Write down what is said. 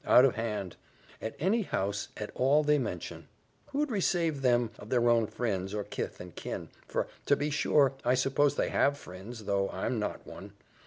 out of hand, at any house at all they mention, who'd resave them of their own frinds, or kith and kin for, to be sure, I suppose they have frinds, tho' I'm not one.